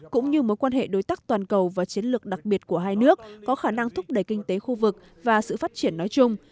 cũng như mối quan hệ đối tác toàn cầu và chiến lược đặc biệt của hai nước có khả năng thúc đẩy kinh tế khu vực và sự phát triển nói chung